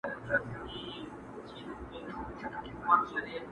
د طاووس تر رنګینیو مي خوښيږي؛